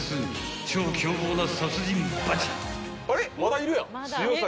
［超凶暴な殺人バチ］